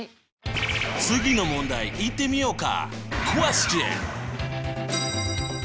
次の問題いってみようか。